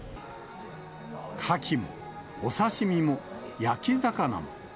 カキもお刺身も焼き魚も。